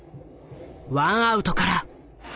ワンアウトから。